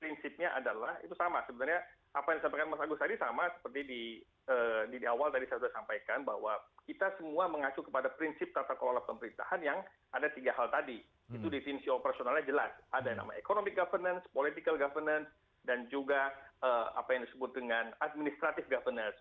prinsipnya adalah itu sama sebenarnya apa yang disampaikan mas agus tadi sama seperti di awal tadi saya sudah sampaikan bahwa kita semua mengacu kepada prinsip tata kelola pemerintahan yang ada tiga hal tadi itu definisi operasionalnya jelas ada yang namanya economic governance political governance dan juga apa yang disebut dengan administrative governance